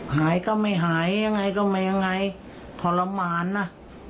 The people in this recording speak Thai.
หายก็ไม่หายยังไงก็ไม่ยังไงทรมานนะ